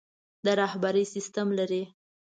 د رهبري سسټم لري.